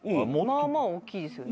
まあまあ大きいですよね。